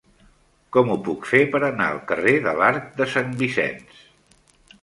Com ho puc fer per anar al carrer de l'Arc de Sant Vicenç?